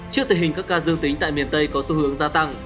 trước tình hình các ca dương tính tại miền tây có xu hướng gia tăng